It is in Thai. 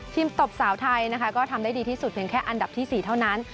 ตบสาวไทยนะคะก็ทำได้ดีที่สุดเพียงแค่อันดับที่๔เท่านั้น